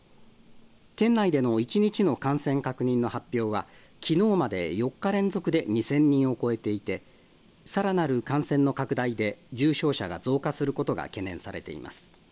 県内での一日の感染確認の発表はきのうまで４日連続で２０００人を超えていてさらなる感染の拡大で重症者が増加することが懸念されています。